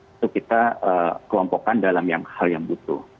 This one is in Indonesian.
itu kita kelompokkan dalam hal yang butuh